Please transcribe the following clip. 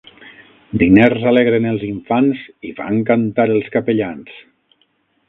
Diners alegren els infants i fan cantar els capellans.